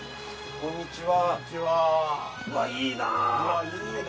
こんにちは。